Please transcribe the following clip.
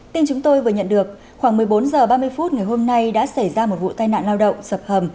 tin chúng tôi vừa nhận được khoảng một mươi bốn h ba mươi phút ngày hôm nay đã xảy ra một vụ tai nạn lao động sập hầm